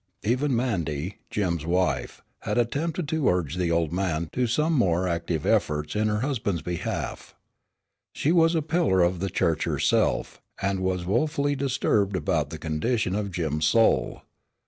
Even Mandy, Jim's wife, had attempted to urge the old man to some more active efforts in her husband's behalf. She was a pillar of the church herself, and was woefully disturbed about the condition of Jim's soul.